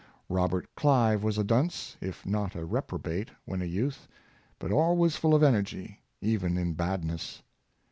Robert Clive was a dunce, if not a rep robate, when a youth; but always full of energy, even in badness.